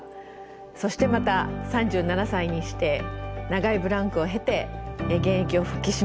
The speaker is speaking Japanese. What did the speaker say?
そしてまた３７歳にして長いブランクを経て現役を復帰しました。